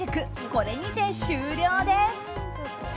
これにて終了です。